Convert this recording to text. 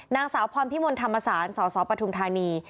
นางสาวพรพิมลธรรมศาลสสปทุมธานี